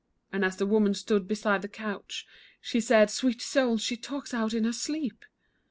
And as the woman stood beside the couch She said, "Sweet soul, she talks out in her sleep."